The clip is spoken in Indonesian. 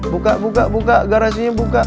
buka buka garasinya buka